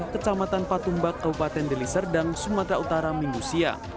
kecamatan patumbak kabupaten deli serdang sumatera utara mindusia